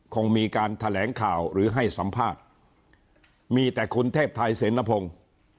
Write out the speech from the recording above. คงมีการแถลงข่าวหรือให้สัมภาษณ์มีแต่คุณเทพไทยเสนพงศ์